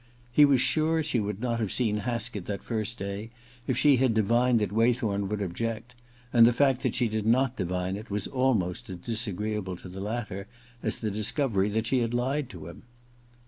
He was sure she would not have seen Haskett that first day if she had divined that Waythorn would object, and the fact that she did not divine it was almost as disagreeable to the latter as the discovery that she had lied to him.